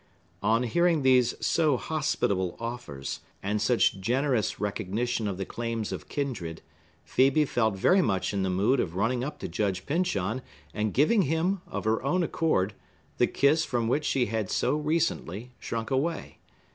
On hearing these so hospitable offers, and such generous recognition of the claims of kindred, Phœbe felt very much in the mood of running up to Judge Pyncheon, and giving him, of her own accord, the kiss from which she had so recently shrunk away.